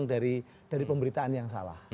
orang orang dari pemberitaan yang salah